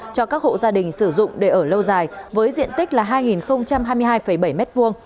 cho các hộ gia đình sử dụng để ở lâu dài với diện tích là hai hai mươi hai bảy m hai